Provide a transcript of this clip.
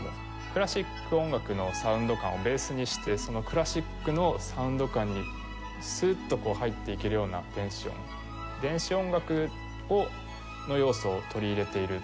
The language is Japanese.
クラシック音楽のサウンド感をベースにしてクラシックのサウンド感にスッと入っていけるような電子音電子音楽の要素を取り入れている。